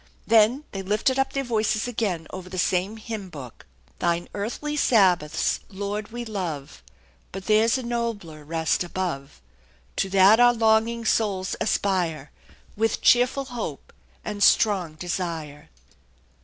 Then they lifted up their voices again ovsr the same hymn book: " Thine earthly Sabbaths, Lord, we love, But there's a nobler rest above ; To that our longing souls aspire With cheerful hope and strong desire."